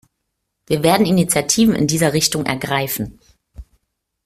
Wir werden Initiativen in dieser Richtung ergreifen.